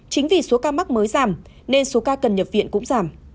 chính vì số ca mắc mới giảm nên số ca cần nhập viện cũng giảm